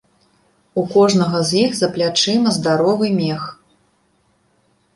У кожнага з іх за плячыма здаровы мех.